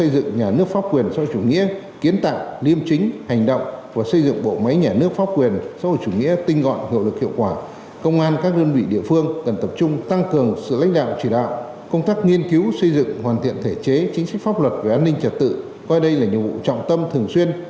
góp phần xây dựng nhà nước pháp quyền xã hội chủ nghĩa của nhân dân do nhân dân vì nhân dân